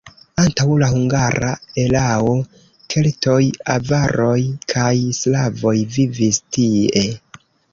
Antaŭ la hungara erao keltoj, avaroj kaj slavoj vivis tie.